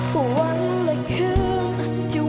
ก็หวังละคืน